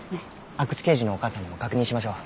阿久津刑事のお母さんにも確認しましょう。